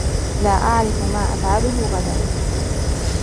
لا أعرف ما أفعلُهُ غداً.